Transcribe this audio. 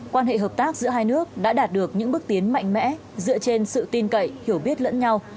quan hệ hợp tác giữa hai nước đã đạt được những bước tiến mạnh mẽ dựa trên sự tin cậy hiểu biết lẫn nhau